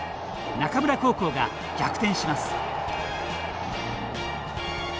中村高校が逆転します。